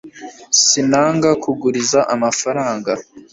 sinanga kuguriza amafaranga